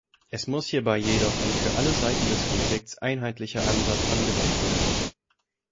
Es muss hierbei jedoch ein für alle Seiten des Konflikts einheitlicher Ansatz angewandt werden.